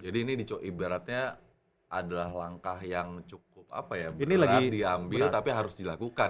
jadi ini ibaratnya adalah langkah yang cukup berat diambil tapi harus dilakukan